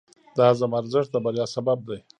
د عزم ارزښت د بریا سبب دی.